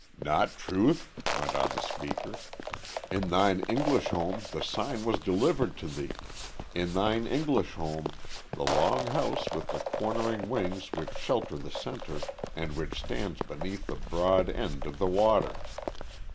"Not truth?" went on the speaker. "In thine English home the Sign was delivered to thee; in thine English home the long house with the cornering wings which shelter the centre, and which stands beneath the broad end of the water."